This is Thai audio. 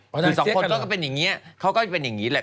คือสองคนก็เป็นอย่างนี้เขาก็จะเป็นอย่างนี้แหละ